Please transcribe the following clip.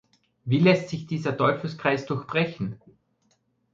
Wie lässt sich dieser Teufelskreis durchbrechen?